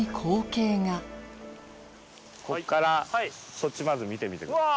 そっちまず見てみてください。